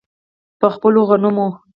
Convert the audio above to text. په خپلو غنمو.